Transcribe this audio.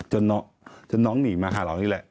จนน้องหนีมาหาเรานี่แหละ